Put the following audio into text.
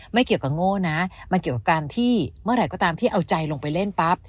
ไม่เกี่ยวกับโง่นะมันเกี่ยวกับการที่เมื่อไหร่ก็ตามที่เอาใจลงไปเล่นปั๊บ